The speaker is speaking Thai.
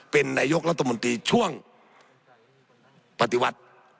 เป็นนายกรัฐมนตรีช่วงปฏิวัติ